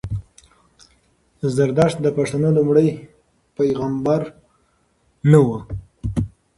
زردښت د پښتنو لومړی پېغمبر وو